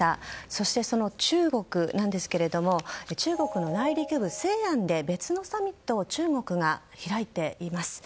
そして、その中国なんですが中国の内陸部、西安で別のサミットを中国が開いています。